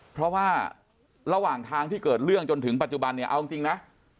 เพราะว่าระหว่างทางที่เกิดเรื่องจนถึงปัจจุบันเนี่ยเอาจริงนะ